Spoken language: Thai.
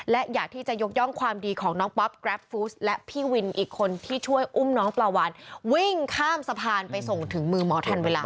และอยากที่จะยกย่องความดีของน้องป๊อปแกรฟฟูสและพี่วินอีกคนที่ช่วยอุ้มน้องปลาวันวิ่งข้ามสะพานไปส่งถึงมือหมอทันเวลา